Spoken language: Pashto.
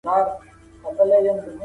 بخیل دوست نلري.